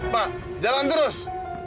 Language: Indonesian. pak jalan terus